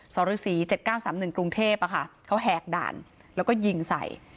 สรภิกษีเจ็ดเก้าสามหนึ่งกรุงเทพอ่ะค่ะเขาแหกด่านแล้วก็ยิงใส่